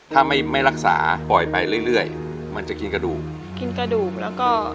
ถ้าไม่รักษาปล่อยไปเรื่อยมันจะกินกระดูก